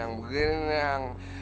yang begini nih yang